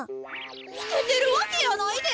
つけてるわけやないで！